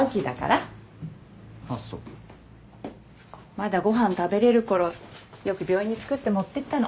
まだご飯食べれるころよく病院に作って持ってったの。